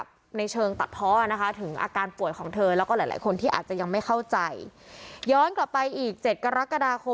กับในเชิงตัดพ่อนะคะถึงอาการป่วยของเธอแล้วก็หลายคนที่อาจจะยังไม่เข้าใจย้อนกลับไปอีก